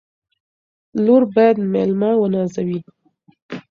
لور باید مېلمه ونازوي.